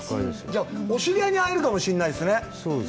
じゃあ、お知り合いに会えるかもしれないですね。